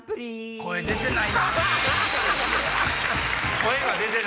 声出てないな。